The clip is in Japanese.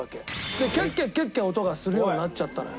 でキャッキャッキャッキャッ音がするようになっちゃったのよ。